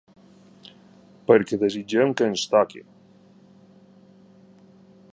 Perquè desitgem que ens toqui.